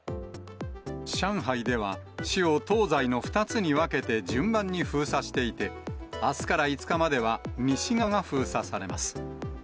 上海では、市を東西の２つに分けて順番に封鎖していて、あすから５日までは西側が封鎖されます。